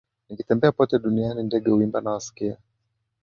Nikitembea pote duniani, ndege huimba, nawasikia,